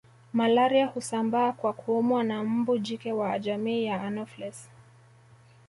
Malaria husambaa kwa kuumwa na mbu jike wa jamii ya anopheles